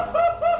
sampai jumpa lagi